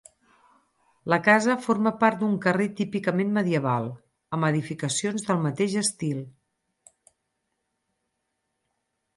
La casa forma part d'un carrer típicament medieval, amb edificacions del mateix estil.